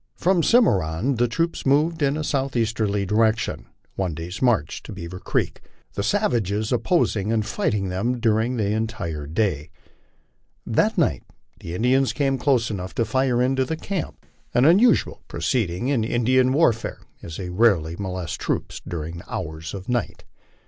From the Cimarron the troops moved in a southeasterly direction, one day's march to Bearer creek, the savages opposing and fighting them during the entire day. That night the Indians came close enough to fire into the camp, an unusual proceeding in Indian warfare, as they rarely molest troops during the hours of night.